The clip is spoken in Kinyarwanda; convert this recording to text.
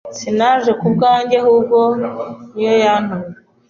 Sinaje ku bwanjye, ahubwo ni yo yantumye.